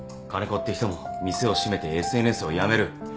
金子って人も店を閉めてＳＮＳをやめる。